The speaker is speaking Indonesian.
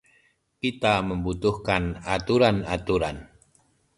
Kita membutuhkan aturan-aturan.